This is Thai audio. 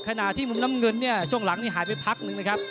ขณะที่มุมน้ำเงินเนี่ยช่วงหลังนี้หายไปพักนึงนะครับ